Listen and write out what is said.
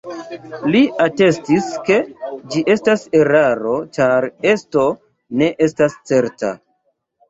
Li atestis ke ĝi estas eraro ĉar esto ne estas certa.